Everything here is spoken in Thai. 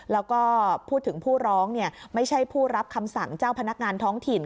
แล้วก็พูดถึงผู้ร้องไม่ใช่ผู้รับคำสั่งเจ้าพนักงานท้องถิ่น